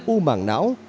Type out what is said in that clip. u mảng não